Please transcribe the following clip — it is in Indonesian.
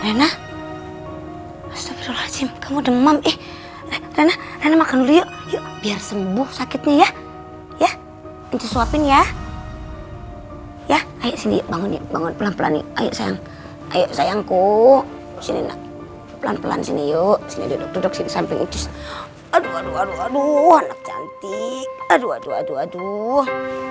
loh loh rena astagfirullahaladzim kamu demam eh rena rena makan dulu yuk yuk biar sembuh sakitnya ya ya ucis suapin ya ya ayo sini bangun bangun pelan pelan ayo sayang ayo sayangku sini pelan pelan sini yuk sini duduk duduk sini samping ucis aduh aduh aduh anak cantik aduh aduh aduh aduh